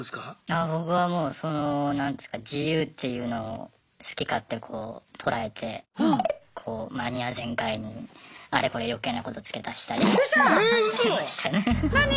ああ僕はもうその何ですか自由っていうのを好き勝手こう捉えてこうマニア全開にあれこれよけいなこと付け足したりしてましたね。